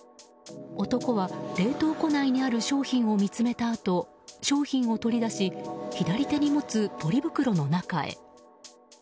男は、冷凍庫内にある商品を見つめたあと商品を取り出し左手に持つポリ袋の中へ。